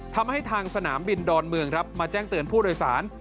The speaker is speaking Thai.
ทำให้ทางสนามบินดอนเมืองครับมาแจ้งเตือนผู้โดยสาร